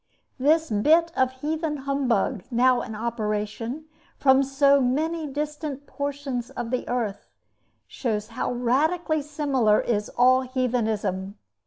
This bit of heathen humbug now in operation, from so many distant portions of the earth, shows how radically similar is all heathenism.